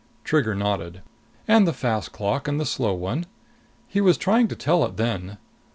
Trigger nodded. "And the fast clock and the slow one. He was trying to tell it then.